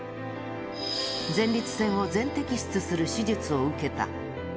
前立腺を全摘出する手術を受けた。